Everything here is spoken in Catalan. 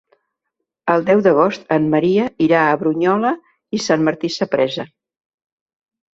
El deu d'agost en Maria irà a Brunyola i Sant Martí Sapresa.